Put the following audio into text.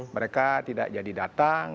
mereka tidak jadi datang